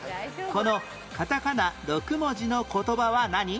このカタカナ６文字の言葉は何？